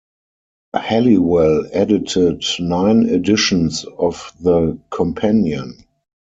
Halliwell edited nine editions of the "Companion".